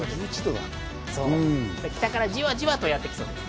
北からじわじわとやってきそうです。